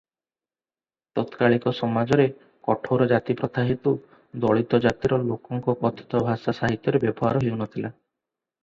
ତାତ୍କାଳୀକ ସମାଜରେ କଠୋର ଜାତିପ୍ରଥା ହେତୁ ଦଳିତ ଜାତିର ଲୋକଙ୍କ କଥିତ ଭାଷା ସାହିତ୍ୟରେ ବ୍ୟବହାର ହେଉନଥିଲା ।